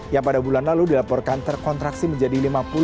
yang pada bulan lalu dilaporkan terkontraksi menjadi lima puluh